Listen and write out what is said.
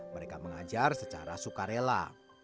mereka mengajar secara sukarela